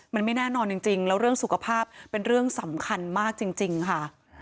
มันไม่แน่นอนจริงแล้วเรื่องสุขภาพเป็นเรื่องสำคัญมากจริงค่ะ